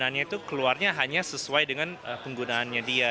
dan dananya itu keluarnya hanya sesuai dengan penggunaannya dia